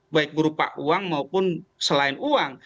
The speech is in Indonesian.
baik berupa uang maupun selain uang